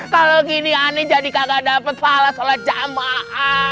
kalau gini aneh jadi kagak dapet sholat jamaah